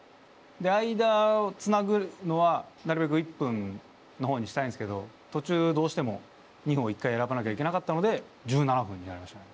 間をつなぐのはなるべく１分の方にしたいんすけど途中どうしても２分を１回選ばなきゃいけなかったので１７分になりましたね。